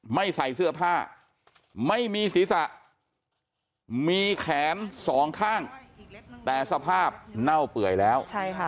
ไม่ใส่เสื้อผ้าไม่มีศีรษะมีแขนสองข้างแต่สภาพเน่าเปื่อยแล้ว